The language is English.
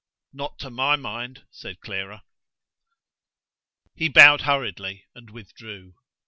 "Not to my mind," said Clara. He bowed hurriedly, and withdrew.